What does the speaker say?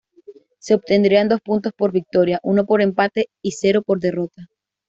Se obtendrían dos puntos por victoria, uno por empate y cero por derrota.